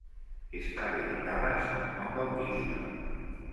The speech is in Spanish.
Está dedicada a san Juan Bautista.